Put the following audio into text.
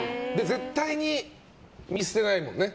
絶対に見捨てないもんね。